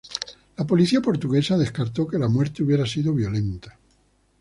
La policía portuguesa descartó que la muerte hubiera sido violenta.